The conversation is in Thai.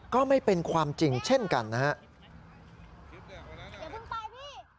ก็ไม่เป็นความจริงเช่นกันนะฮะ